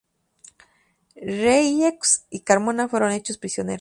Rieux y Carmona fueron hechos prisioneros.